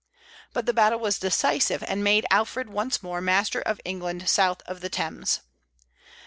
But the battle was decisive, and made Alfred once more master of England south of the Thames.